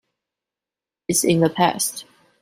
It's in the past.